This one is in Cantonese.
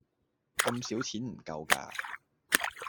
咁少錢唔夠架